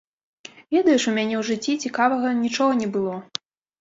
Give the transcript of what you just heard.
Ведаеш, у мяне ў жыцці цікавага нічога не было.